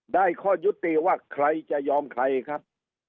ได้ข้อยุติว่าใครจะยอมใครครับ